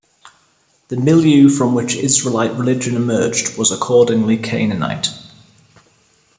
The milieu from which Israelite religion emerged was accordingly Canaanite.